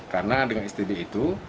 karena dengan stb itu